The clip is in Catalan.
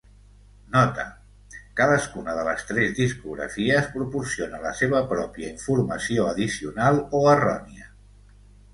Nota: cadascuna de les tres discografies proporciona la seva pròpia informació addicional o errònia.